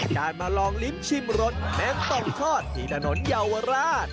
การมาลองลิ้มชิมรสเม็ดต่องทอดที่ถนนเยาวราช